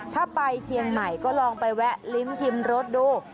ถ้าไปเชียงใหม่ก็ลองไปแวะลิ้มชิมรสดู